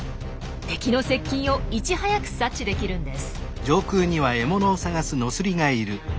敵の接近をいち早く察知できるんです。